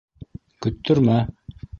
Көттөрмә!